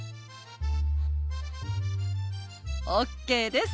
ＯＫです！